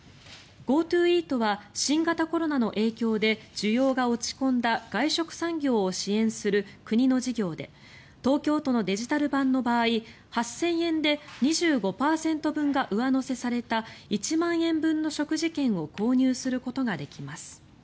ＧｏＴｏイートは新型コロナの影響で需要が落ち込んだ外食産業を支援する国の事業で東京都のデジタル版の場合８０００円で２５％分が上乗せされた１万円分の食事券を購入することができます。